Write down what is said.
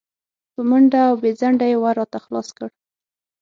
په منډه او بې ځنډه یې ور راته خلاص کړ.